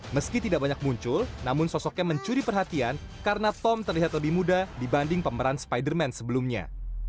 meski tidak banyak muncul namun sosoknya mencuri perhatian karena tom terlihat lebih muda dibanding pemeran spider man sebelumnya